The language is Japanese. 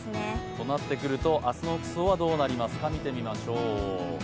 となってくると明日の服装はどうなりますか、見てみましょう。